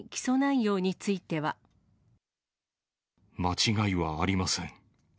間違いはありません。